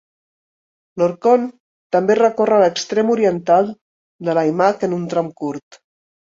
L'Orkhon també recorre l'extrem oriental de l'aimag en un tram curt.